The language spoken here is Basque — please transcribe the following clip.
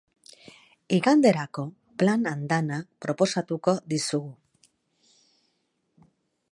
Iganderako plan andana proposatuko dizugu.